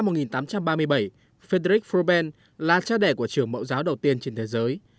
năm một nghìn tám trăm ba mươi bảy fedrich forben là cha đẻ của trường mẫu giáo đầu tiên trên thế giới